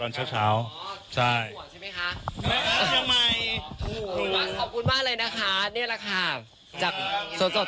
ตอนเช้าใช่ใช่ไหมคะขอบคุณมากเลยนะคะเนี้ยแหละค่ะจากส่วนสด